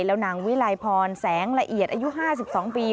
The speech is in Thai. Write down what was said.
บางวิรายพรแสงละเอียดอายุ๕๒ปี